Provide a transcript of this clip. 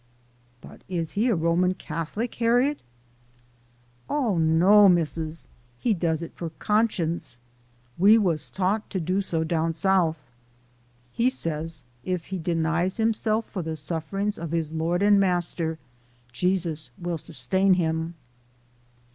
" But is he a Roman Catholic, Harriet ?"" Oh no, Misses ; he APPENDIX. 109 does it for conscience we was taught to do so down South. He says if he denies himself for the sufferings of his Lord an' Master, Jesus will sustain him."